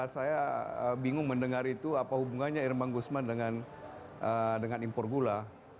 saya bingung mendengar itu apa hubungannya irman guzman dengan impor gula